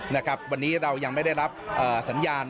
นะครับวันนี้เรายังไม่ได้รับสัญญาณ